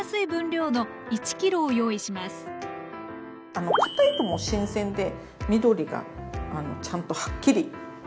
あの堅いともう新鮮で緑がちゃんとはっきり。